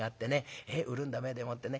潤んだ目でもってね